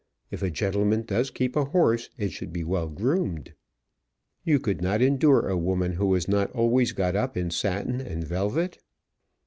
If a gentleman does keep a horse, it should be well groomed." "You could not endure a woman who was not always got up in satin and velvet?"